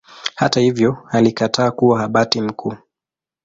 Hata hivyo alikataa kuwa Abati mkuu.